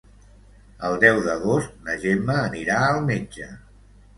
El deu d'agost na Gemma anirà al metge.